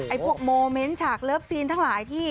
พวกโมเมนต์ฉากเลิฟซีนทั้งหลายที่